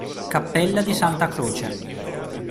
Cappella di Santa Croce